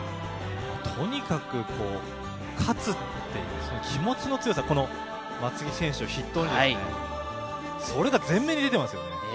とにかく勝つっていう気持ちの強さ、松木選手を筆頭に、それが前面に出てますよね。